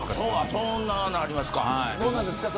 そんな、なりますか。